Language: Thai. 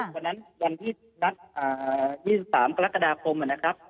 วันนั้นวันที่นัด๒๓กรกฎาคมนะครับ